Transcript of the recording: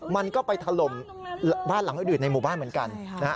มันก็ไปถล่มบ้านหลังอื่นในหมู่บ้านเหมือนกันนะฮะ